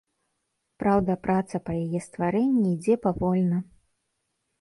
Праўда, праца па яе стварэнні ідзе павольна.